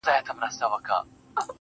خدايه هغه زما د کور په لار سفر نه کوي.